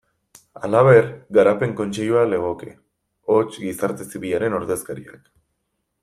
Halaber, Garapen Kontseilua legoke, hots, gizarte zibilaren ordezkariak.